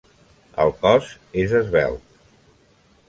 El cos és esvelt.